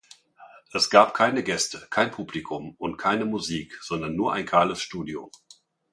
Es gab keine Gäste, kein Publikum und keine Musik, sondern nur ein kahles Studio.